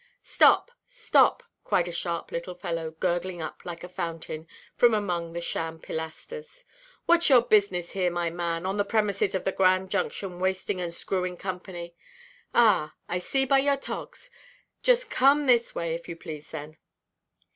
"Stop, stop," cried a sharp little fellow, gurgling up, like a fountain, from among the sham pilasters; "whatʼs your business here, my man, on the premises of the Grand Junction Wasting and Screwing Company? Ah, I see by your togs. Just come this way, if you please, then."